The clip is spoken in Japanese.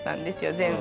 全部。